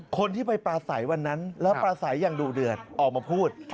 คนที่ไปปลาใสวันนั้นแล้วปลาใสอย่างดุเดือดออกมาพูด